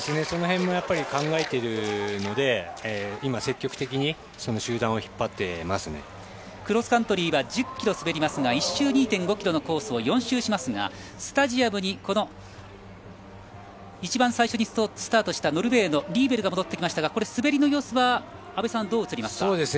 その辺も考えているので今、積極的にクロスカントリーは１０ｋｍ滑りますが１周２．５ｋｍのコースを４周しますがスタジアムに一番最初にスタートしたノルウェーのリーベルが戻ってきましたが滑りの様子は阿部さん、どう映りますか？